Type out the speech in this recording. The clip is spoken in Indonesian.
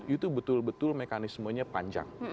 itu betul betul mekanismenya panjang